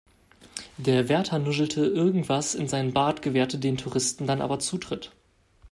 Der Wärter nuschelte irgendwas in seinen Bart, gewährte den Touristen dann aber Zutritt.